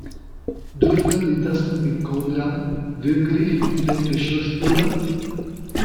Dürfen die Tassen mit Goldrand wirklich in den Geschirrspüler?